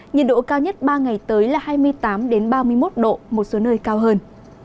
nhiệt độ cao nhất ba ngày tới là hai mươi tám ba mươi một độ một số nơi cao hơn